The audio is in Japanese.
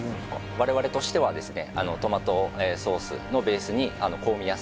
我々としてはですね